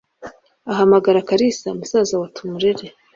ahamagara kalisa musaza wa tumurere